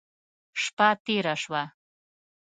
شپه تېره شوه.